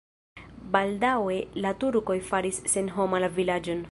Baldaŭe la turkoj faris senhoma la vilaĝon.